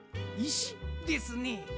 いし？ですね。